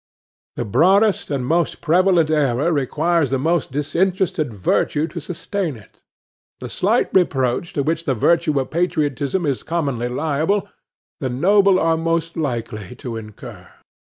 The broadest and most prevalent error requires the most disinterested virtue to sustain it. The slight reproach to which the virtue of patriotism is commonly liable, the noble are most likely to incur.